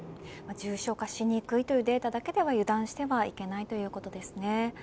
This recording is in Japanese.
重症化しにくいというデータだけでは、油断してはいけないということですね。